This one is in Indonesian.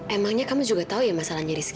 emangnya kamu juga tahu ya masalahnya rizky